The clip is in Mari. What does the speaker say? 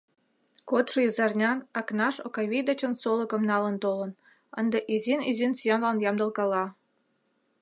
Кодшо изарнян Акнаш Окавий дечын солыкым налын толын, ынде изин-изин сӱанлан ямдылкала.